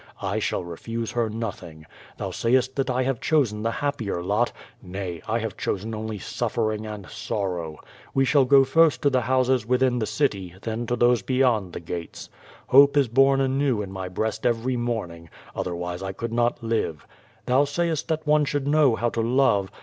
I shall refuse her nothing. Thou sayest that I have chosen the happier lot. Nay, I have chosen only suf fering and sorrow. We shall go first to the houses within the city, then to those beyond the gates. Hope is bom anew in my breast every morning, otherwise I could not live. Thou sayest that one should know how to love.